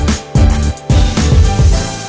ในสมัยการจัดการของพวกเรา